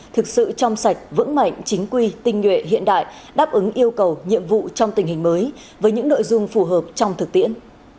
thực sự trong sạch vững mạnh chính quy tinh nhuệ hiện đại đáp ứng yêu cầu nhiệm vụ trong tình hình mới với những nội dung phù hợp trong thực tiễn